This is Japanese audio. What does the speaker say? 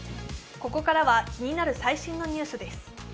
ここからは気になる最新のニュースです。